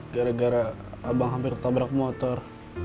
gara gara abang hampir ketabrak motor